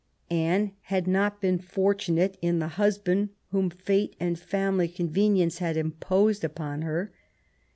Anne had not been fortunate in the husband whom fate and family convenience had imposed upon her.